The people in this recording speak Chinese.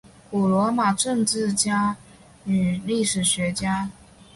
古罗马政治家与历史学家。